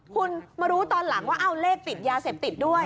คุณมารู้ตอนหลังว่าเอาเลขติดยาเสพติดด้วย